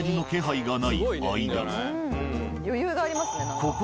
余裕がありますね何か。